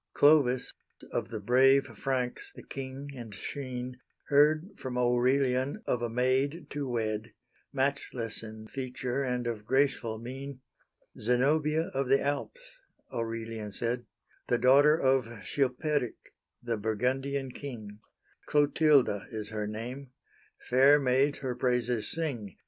Clovis, of the brave Franks, the king, and sheen, Heard from Aurelian of a maid to wed, Matchless in feature, and of graceful mein "Zenobia, of the Alps," Aurelian said, "The daughter of Chilperic, the Burgundian king, Clotilda is her name; fair maids her praises sing.